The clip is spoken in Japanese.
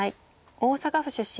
大阪府出身。